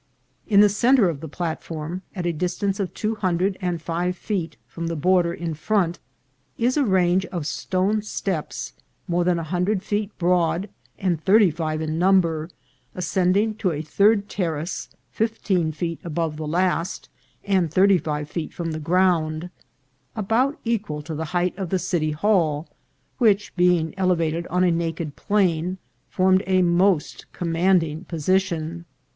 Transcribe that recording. In the centre of the platform, at a distance of two hundred and five feet from the border in front, is a range of stone steps more than a hundred feet broad, and thir ty five in number, ascending to a third terrace, fifteen feet above the last, and thirty five feet from the ground, about equal to the height of the City Hall, which, being elevated on a naked plain, formed a most commanding position.